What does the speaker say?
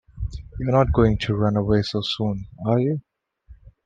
You are not going to run away so soon, are you?